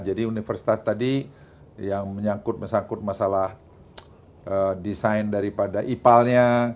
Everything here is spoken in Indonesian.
jadi universitas tadi yang menyangkut mesangkut masalah desain daripada ipal nya